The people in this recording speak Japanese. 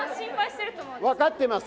分かってます。